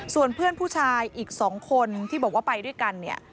ส่วนเพื่อนผู้ชายอีก๒คนที่บอกว่าไปด้วยกันเนี่ย